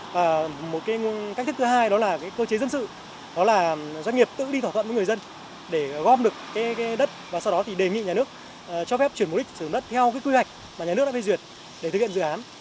và một cái cách thức thứ hai đó là cơ chế dân sự đó là doanh nghiệp tự đi thỏa thuận với người dân để gom được cái đất và sau đó thì đề nghị nhà nước cho phép chuyển mục đích sử dụng đất theo cái quy hoạch mà nhà nước đã phê duyệt để thực hiện dự án